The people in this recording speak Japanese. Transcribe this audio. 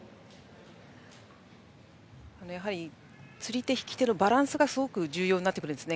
やはり釣り手、引き手のバランスがすごく重要になります。